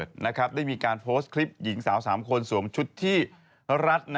ได้มีการโพสต์คลิปหญิงสาว๓คนสวมชุดที่รัด